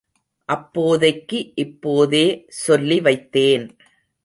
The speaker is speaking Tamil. அப்போதைக்கு இப்போதே சொல்லிவைத்தேன்.